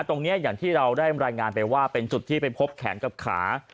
อย่างที่เราได้รายงานไปว่าเป็นจุดที่ไปพบแขนกับขา